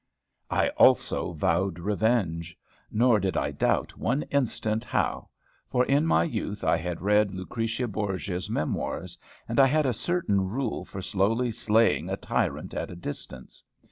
I also vowed revenge. Nor did I doubt one instant how; for in my youth I had read Lucretia Borgia's memoirs, and I had a certain rule for slowly slaying a tyrant at a distance.